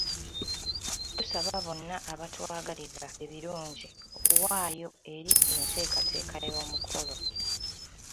Tusaba bonna abatwagaliza ebirungi okuwaayo eri enteekateeka y'omukolo.